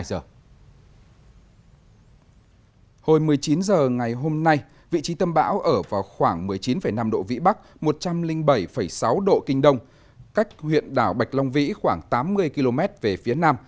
hồi một mươi chín h ngày hôm nay vị trí tâm bão ở vào khoảng một mươi chín năm độ vĩ bắc một trăm linh bảy sáu độ kinh đông cách huyện đảo bạch long vĩ khoảng tám mươi km về phía nam